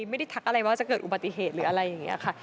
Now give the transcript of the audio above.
ไม่ได้ทักอะไรว่าจะเกิดอุบัติเหตุหรืออะไรอย่างนี้ค่ะ